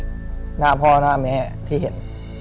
หน้าพ่อหน้าแม่ที่เห็น